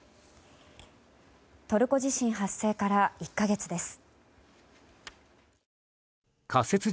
トルコ地震発生から１か月です。